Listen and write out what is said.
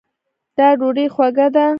دا ډوډۍ خوږه ده